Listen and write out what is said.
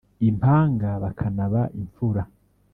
Impanga bakanaba imfura